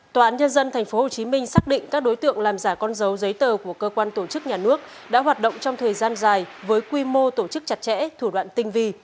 toán nhân dân tp hồ chí minh xác định các đối tượng làm giả con dấu giấy tờ của cơ quan tổ chức nhà nước đã hoạt động trong thời gian dài với quy mô tổ chức chặt chẽ thủ đoạn tinh vi